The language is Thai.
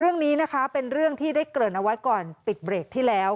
เรื่องนี้นะคะเป็นเรื่องที่ได้เกริ่นเอาไว้ก่อนปิดเบรกที่แล้ว